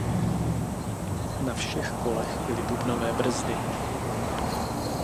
Na všech kolech byly bubnové brzdy.